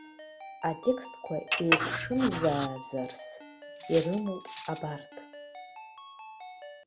Атекстқәа еиԥшымзаарас ирымоуп абарҭ.